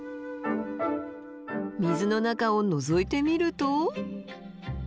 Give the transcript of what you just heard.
水の中をのぞいてみると。